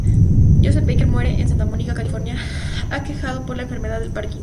Joseph Becker muere en Santa Mónica, California, aquejado por la enfermedad del Parkinson.